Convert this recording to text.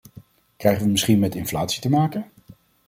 Krijgen we misschien met inflatie te maken?